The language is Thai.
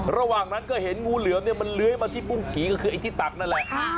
ระหว่างนั้นก็เห็นงูเหลือมเนี่ยมันเลื้อยมาที่บุ้งผีก็คือไอ้ที่ตักนั่นแหละ